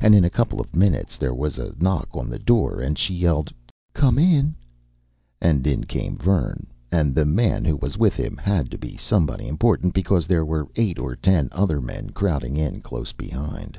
And in a couple of minutes there was a knock on the door, and she yelled, "Come in," and in came Vern. And the man who was with him had to be somebody important, because there were eight or ten other men crowding in close behind.